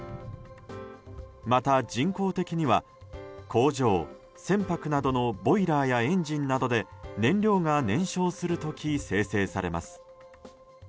また人工的には工場、船舶などのボイラーやエンジンなどで燃料が燃焼する時生成されます。